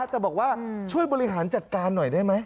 แต่บอกว่าช่วยบริหารจัดการหน่อยได้ไหม